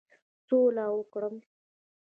سوله وکړم.